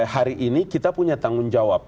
hari ini kita punya tanggung jawab